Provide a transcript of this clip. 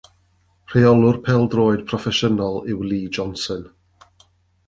Rheolwr pêl-droed proffesiynol yw Lee Johnson.